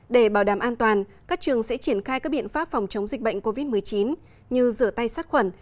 để bảo đảm an toàn các trường sẽ triển khai các biện pháp phòng chống dịch bệnh covid một mươi chín như rửa tay sát khuẩn